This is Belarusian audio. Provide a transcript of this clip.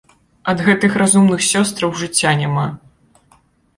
Ад гэтых разумных сёстраў жыцця няма.